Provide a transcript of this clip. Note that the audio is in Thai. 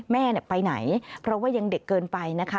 แม่ไปไหนเพราะว่ายังเด็กเกินไปนะคะ